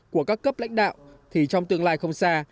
của các cấp lãnh đạo thì trong tương lai không xa